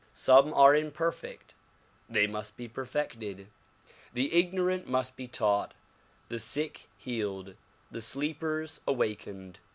Some are imperfect; they must be perfected. The ignorant must be taught, the sick healed, the sleepers awakened.